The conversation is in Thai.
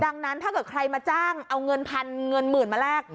ดังนั้นถ้าเกิดใครมาจ้างเอาเงินพันเงินหมื่นมาแลก